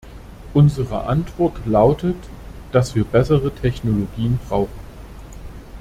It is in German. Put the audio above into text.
Unsere Antwort lautet, dass wir bessere Technologien brauchen.